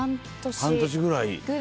半年ぐらい。